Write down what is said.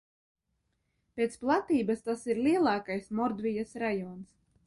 Pēc platības tas ir lielākais Mordvijas rajons.